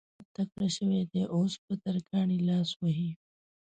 احمد تکړه شوی دی؛ اوس په ترکاڼي لاس وهي.